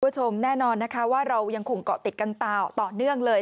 คุณผู้ชมแน่นอนนะคะว่าเรายังคงเกาะติดกันต่อต่อเนื่องเลย